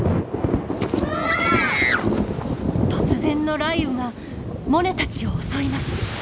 突然の雷雨がモネたちを襲います。